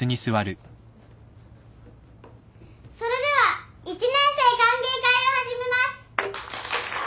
それでは一年生歓迎会を始めます。